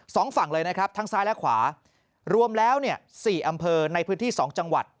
สองฝั่งเลยนะครับทั้งซ้ายและขวารวมแล้วเนี่ยสี่อำเภอในพื้นที่สองจังหวัด